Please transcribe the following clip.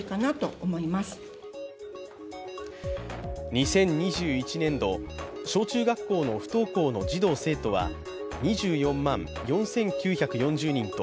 ２０２１年度、小中学校の不登校の児童生徒は２４万４９４０人と